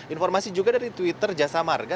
informasi juga dari twitter jasa marga